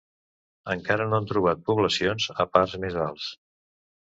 Encara no han trobat poblacions a parts més alts.